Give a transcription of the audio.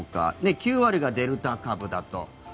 ９割がデルタ株だと。